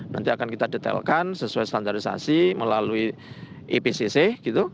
nanti akan kita detailkan sesuai standarisasi melalui epcc gitu